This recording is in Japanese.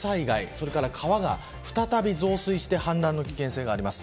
それから、川が再び増水して氾濫の危険性があります。